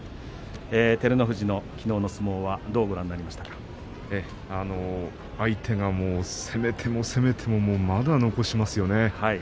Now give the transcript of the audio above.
照ノ富士のきのうの相撲は相手が攻めても攻めてもまだ残しますよね。